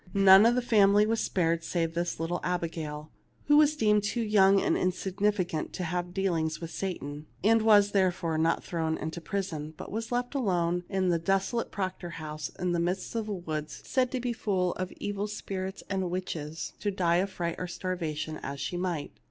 INTone of the family was spared save this little Abigail, who was deemed too young and insignificant to have deal ings with Satan, and was therefore not thrown into prison, but was left alone in the desolate Proctor house in the midst of woods said to be full of evil spirits and witches, to die of fright or starvation as she might.